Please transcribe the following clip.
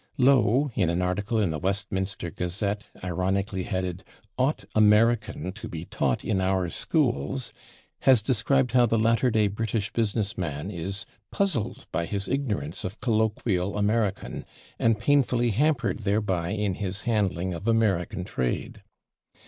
Low, in an article in the /Westminster Gazette/ ironically headed "Ought American to be Taught in our Schools?" has described how the latter day British business man is "puzzled by his ignorance of colloquial American" and "painfully hampered" thereby in his handling of American trade.